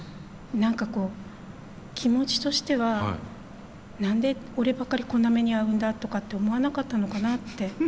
何かこう気持ちとしては何で俺ばっかりこんな目に遭うんだとかって思わなかったのかなって。